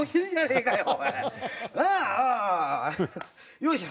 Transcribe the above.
よいしょ。